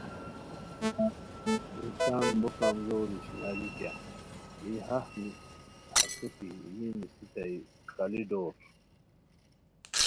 انسان بو کمزور اشناری کیہ ای ہاہ ہسے کی یی نیستائے خالی ڈور